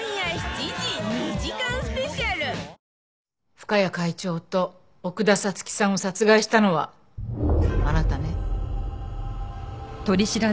深谷会長と奥田彩月さんを殺害したのはあなたね？